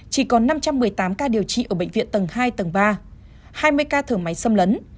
chỉ còn năm trăm một mươi tám ca điều trị ở bệnh viện tầng hai tầng ba hai mươi ca thở máy xâm lấn